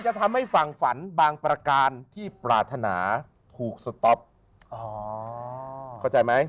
จะทำให้ฝั่งฝันบางประการที่ปรารถนาถูกสต๊อปอ๋อเข้าใจไหม